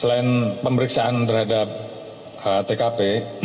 selain pemeriksaan terhadap tkp